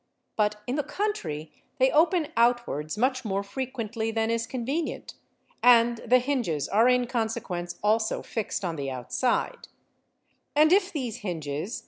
But in the country they open outwards much ~ more frequently than is convenient, and the hinges are in — consequence also fixed on the outside; and if these hinges — Fig.